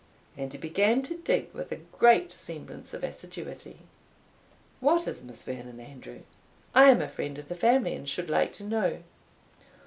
And he began to dig with a great semblance of assiduity. "What is Miss Vernon, Andrew? I am a friend of the family, and should like to know."